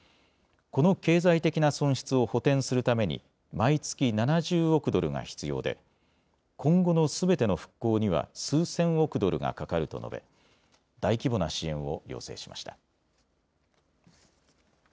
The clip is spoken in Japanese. この経済的な損失を補填するために毎月７０億ドルが必要で今後のすべての復興には数千億ドルがかかると述べ大規模な支援を要請しました。